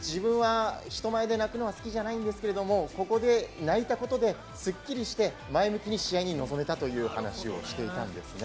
自分は人前で泣くのは好きじゃないんですけれども、ここで泣いたことでスッキリして、前向きに試合に臨めたという話をしていました。